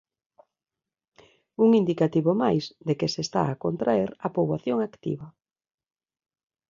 Un indicativo máis de que se está a contraer a poboación activa.